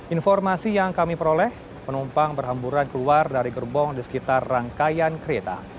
informasi yang kami peroleh penumpang berhamburan keluar dari gerbong di sekitar rangkaian kereta